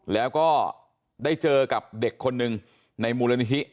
แล้วก็ได้เจอกับเด็กคนหนึ่งในมูลนิธิ